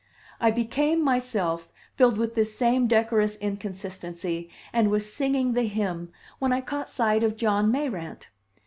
I became, myself, filled with this same decorous inconsistency, and was singing the hymn, when I caught sight of John Mayrant.